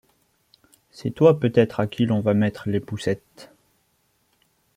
C’est toi peut-être à qui l’on va mettre les poucettes.